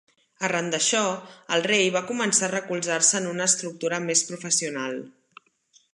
Arran d'això, el rei va començar a recolzar-se en una estructura més professional.